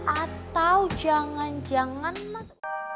atau jangan jangan mas